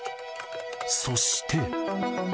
そして。